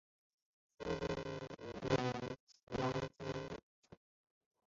附近有里扬机场。